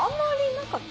なかった？